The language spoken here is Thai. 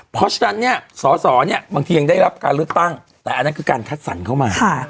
เพราะฉะนั้นเนี่ยสอสอเนี่ยบางทียังได้รับการเลือกตั้งแต่อันนั้นคือการคัดสรรเข้ามา